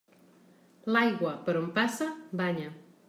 L'aigua, per on passa, banya.